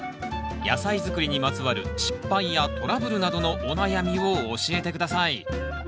野菜作りにまつわる失敗やトラブルなどのお悩みを教えて下さい。